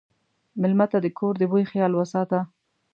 مېلمه ته د کور د بوي خیال وساته.